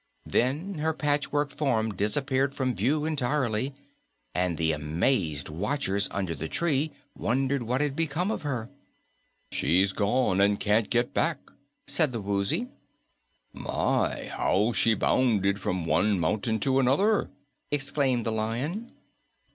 Then her patchwork form disappeared from view entirely, and the amazed watchers under the tree wondered what had become of her. "She's gone, and she can't get back," said the Woozy. "My, how she bounded from one mountain to another!" exclaimed the Lion.